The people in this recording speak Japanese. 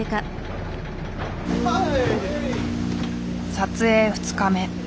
撮影２日目。